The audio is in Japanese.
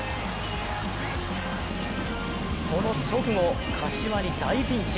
その直後、柏に大ピンチ！